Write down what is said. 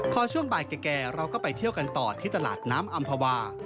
พอช่วงบ่ายแก่เราก็ไปเที่ยวกันต่อที่ตลาดน้ำอำภาวา